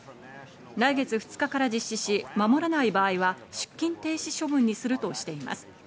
来月２日から実施し守らない場合は出勤停止処分にするとしています。